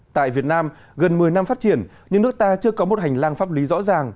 tại việt nam gần một mươi năm phát triển nhưng nước ta chưa có một hành lang pháp lý rõ ràng